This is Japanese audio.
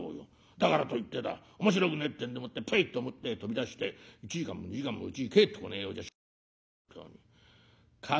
だからといってだ面白くねえってんでもってぷいと表へ飛び出して１時間も２時間もうちに帰ってこねえようじゃしょうがねえってんだ